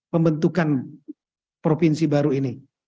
pembentukan provinsi baru ini